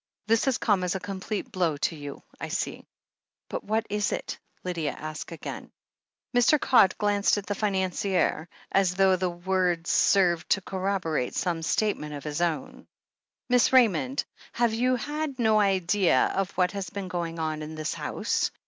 This has come as a complete blow to you, I see." "But what is it ?" Lydia asked again. Mr. Codd glanced at the financier, as though the words served to corroborate some statement of his own. THE HEEL OF ACHILLES 303 "Miss Raymond, have you had no idea of what has been going on in this house?"